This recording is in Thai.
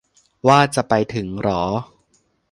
ว่าจะไปถึงเหรอ